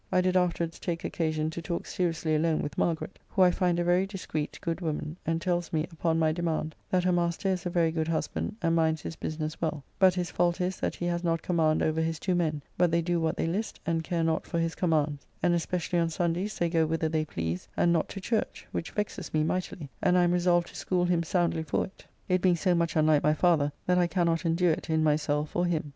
I did afterwards take occasion to talk seriously alone with Margaret, who I find a very discreet, good woman, and tells me, upon my demand, that her master is a very good husband, and minds his business well, but his fault is that he has not command over his two men, but they do what they list, and care not for his commands, and especially on Sundays they go whither they please, and not to church, which vexes me mightily, and I am resolved to school [him] soundly for it, it being so much unlike my father, that I cannot endure it in myself or him.